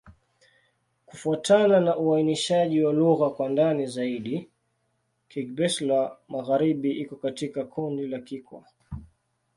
Kufuatana na uainishaji wa lugha kwa ndani zaidi, Kigbe-Xwla-Magharibi iko katika kundi la Kikwa.